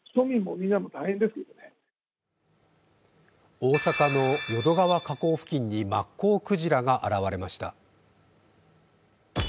大阪の淀川河口付近にマッコウクジラが現れました。